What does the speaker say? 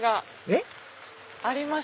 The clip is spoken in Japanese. えっ？